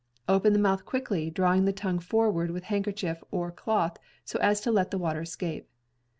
Open the mouth quickly, drawing the tongue forward with hand kerchief or cloth so as to let the water escape.